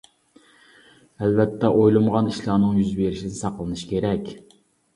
ئەلۋەتتە ئويلىمىغان ئىشلارنىڭ يۈز بېرىشىدىن ساقلىنىش كېرەك.